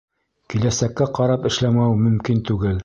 Киләсәккә ҡарап эшләмәү мөмкин түгел.